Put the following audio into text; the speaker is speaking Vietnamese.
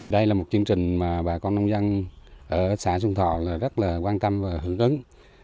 đây là một chương trình mà bà con nông dân ở xã xuân thọ rất là quan tâm và hưởng ứng